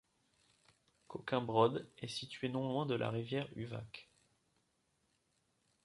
Kokin Brod est situé non loin de la rivière Uvac.